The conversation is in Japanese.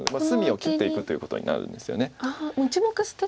隅を切っていくということになるんですよね。